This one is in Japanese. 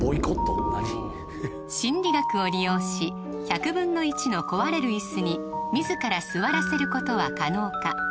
心理学を利用し１００分の１の壊れる椅子に自ら座らせることは可能か？